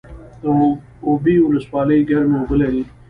د اوبې ولسوالۍ ګرمې اوبه لري